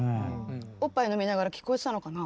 おっぱい飲みながら聞こえてたのかな？